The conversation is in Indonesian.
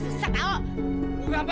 iya ke youtube